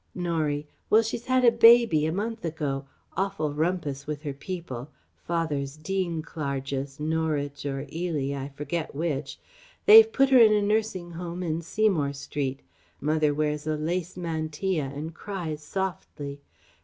Norie: "Well, she's had a baby ... a month ago ... awful rumpus with her people ... Father's Dean Clarges ... Norwich or Ely, I forget which ... They've put her in a Nursing Home in Seymour Street. Mother wears a lace mantilla and cries softly.